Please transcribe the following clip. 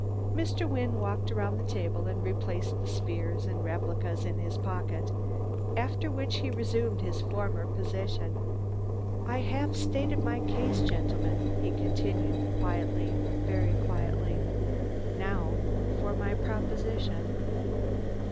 Mr. Wynne walked around the table and replaced the spheres and replicas in his pocket, after which he resumed his former position. "I have stated my case, gentlemen," he continued quietly, very quietly. "Now for my proposition.